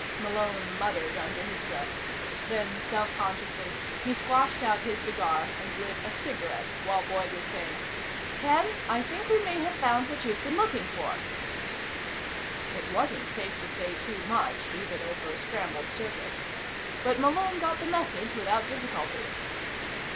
Malone muttered under his breath. Then, self consciously, he squashed out his cigar and lit a cigarette while Boyd was saying: "Ken, I think we may have found what you've been looking for." It wasn't safe to say too much, even over a scrambled circuit. But Malone got the message without difficulty.